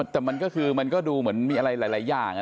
แต่มันก็คือมันก็ดูเหมือนมีอะไรหลายอย่าง